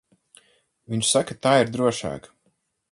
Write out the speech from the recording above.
Viņš saka, tā ir drošāk.